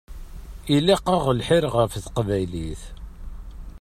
Ilaq-aɣ lḥir ɣef teqbaylit.